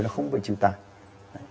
nó không phải chịu tài